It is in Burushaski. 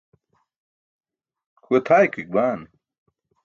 kʰuwe tʰaykuik baan